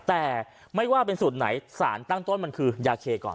แต่ไม่ว่าเป็นสูตรไหนสารตั้งต้นมันคือยาเคก่อน